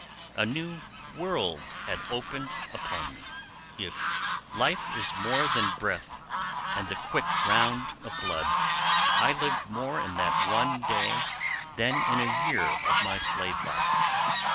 A new world had opened upon me. If life is more than breath and the "quick round of blood," I lived more in that one day than in a year of my slave life.